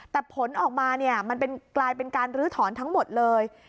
แต่ผลออกมาเนี่ยมันกลายเป็นการลื้อถอนทั้งหมดเลย